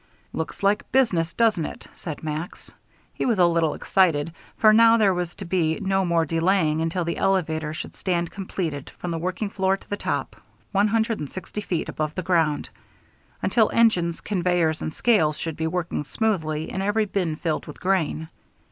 "Looks like business, doesn't it," said Max. He was a little excited, for now there was to be no more delaying until the elevator should stand completed from the working floor to the top, one hundred and sixty feet above the ground; until engines, conveyors, and scales should be working smoothly and every bin filled with grain.